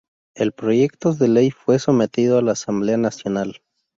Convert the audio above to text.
El proyectos de Ley fue sometido a la Asamblea Nacional.